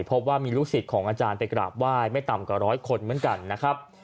พบว่ามีลูกศิษย์ของอาจารย์ไปกราบไหว้ไม่ต่ำกว่าร้อยคนเหมือนกันนะครับ